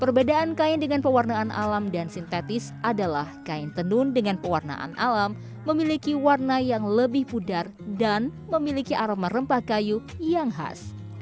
perbedaan kain dengan pewarnaan alam dan sintetis adalah kain tenun dengan pewarnaan alam memiliki warna yang lebih pudar dan memiliki aroma rempah kayu yang khas